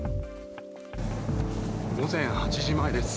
午前８時前です。